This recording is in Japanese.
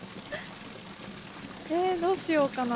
えどうしようかな。